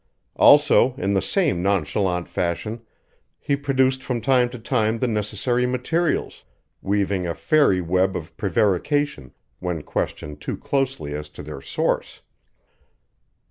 Also, in the same nonchalant fashion, he produced from time to time the necessary materials, weaving a fairy web of prevarication when questioned too closely as to their source.